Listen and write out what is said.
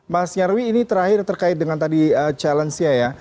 mas nyarwi ini terakhir terkait dengan tadi challenge nya ya